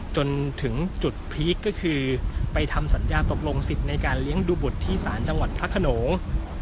จนถึงจุดพีคก็คือไปทำสัญญาตกลงสิทธิ์ในการเลี้ยงดูบุตรที่ศาลจังหวัดพระขนง